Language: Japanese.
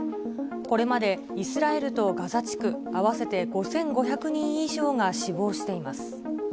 これまでイスラエルとガザ地区、合わせて５５００人以上が死亡しています。